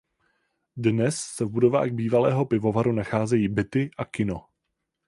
Dnes se v budovách bývalého pivovaru nacházejí byty a kino.